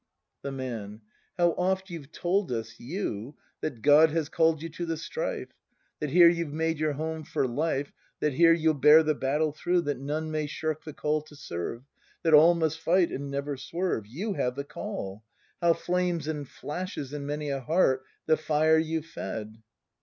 The Man. How oft you've told us, you. That God has call'd you to the strife, That here you've made your home for life, That here you'll bear the battle through, That none may shirk the call to serve. That all must fight and never swerve, You have the Call! How flames and flashes In many a heart the fire you've fed